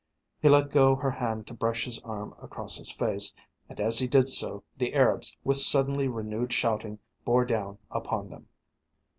He let go her hand to brush his arm across his face, and as he did so the Arabs with suddenly renewed shouting bore down upon them.